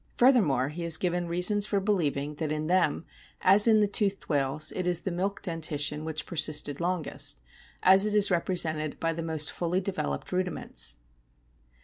Furthermore, he has given reasons for believing that in them, as in the toothed whales, it is the milk dentition which persisted longest, as it is represented by the most fully developed rudi ments.